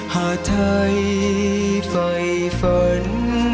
หากไทยไฟฝัน